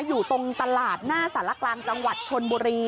อยู่ตรงตลาดหน้าสารกลางจังหวัดชนบุรี